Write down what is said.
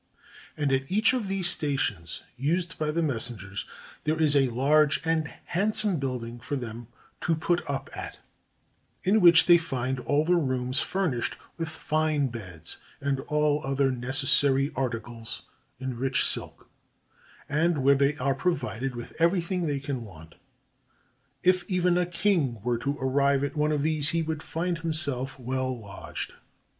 And at each of those stations used by the messengers, there is a large and handsome building for them to put up at, in which they find all the rooms furnished with fine beds and all other necessary articles in rich silk, and where they are provided with everything they can want. If even a king were to arrive at one of these, he would find himself well lodged.